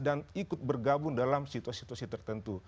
dan ikut bergabung dalam situasi situasi tertentu